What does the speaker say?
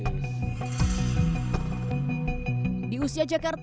sebetulnya sudah menghadapi tingkat kritis